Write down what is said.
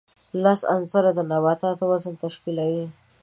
لس عنصره د نباتاتو وزن تشکیلوي.